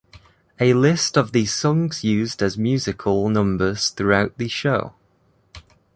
A list of the songs used as musical numbers throughout the show.